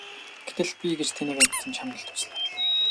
Гэтэл би гэж тэнэг амьтан чамд туслаад л!